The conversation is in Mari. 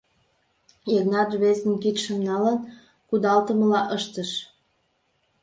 — Йыгнат рвезын кидшым налын кудалтымыла ыштыш.